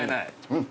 うん！